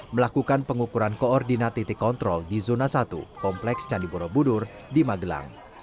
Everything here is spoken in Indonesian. melakukan pengukuran koordinat titik kontrol di zona satu kompleks candi borobudur di magelang